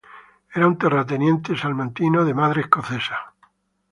Era un terrateniente salmantino, de madre escocesa.